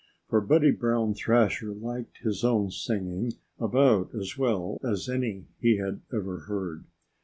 For Buddy Brown Thrasher liked his own singing about as well as any he had ever heard.